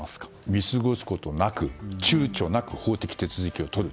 見過ごすことなく、躊躇なく法的手続きをとる。